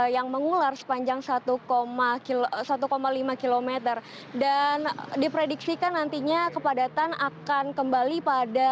yang mengular sepanjang satu lima km dan diprediksikan nantinya kepadatan akan kembali pada